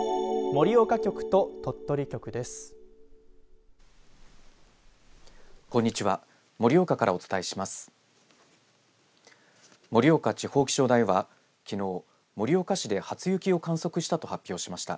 盛岡地方気象台はきのう盛岡市で初雪を観測したと発表しました。